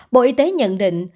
bộ y tế nhận định